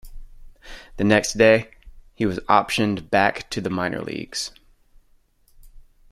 The next day, he was optioned back to the Minor Leagues.